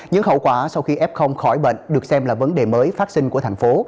những hậu quả sau khi f khỏi bệnh được xem là vấn đề mới phát sinh của thành phố